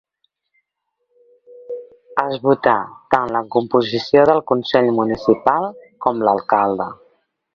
Es votà tant la composició del Consell municipal com l'alcalde.